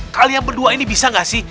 kalian berdua ini bisa gak sih